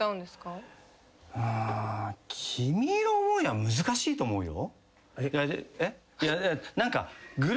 そもそも『君色思い』は難しいと思うよ。